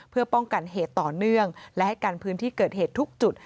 เพื่อป้องกันเหตุต่อเนื่องและให้กันพื้นที่เกิดเหตุทุกจุด